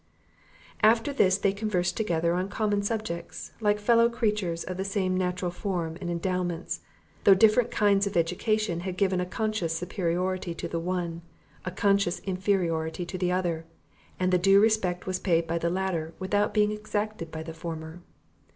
After this they conversed together on common subjects, like fellow creatures of the same natural form and endowments, though different kinds of education had given a conscious superiority to the one, a conscious inferiority to the other; and the due respect was paid by the latter, without being exacted by the former.